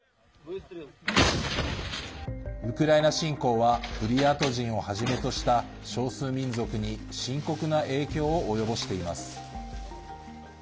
ウクライナ侵攻はブリヤート人をはじめとした少数民族に深刻な影響を及ぼしています。